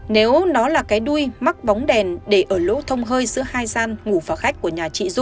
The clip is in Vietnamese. nếu nó là cái đuôi mắc bóng đèn để ở lỗ thông hơi giữa hai gian ngủ vào khách của nhau